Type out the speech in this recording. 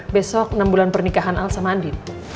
besok enam bulan pernikahan al sama andin